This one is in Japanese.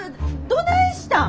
どないしたん？